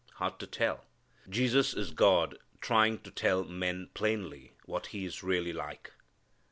Hard to tell. Jesus is God trying to tell men plainly what He is really like.